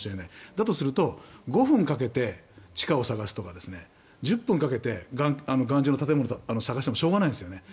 だとすると、５分かけて地下を探すとか１０分かけて頑丈な建物を探してもしょうがないんですね。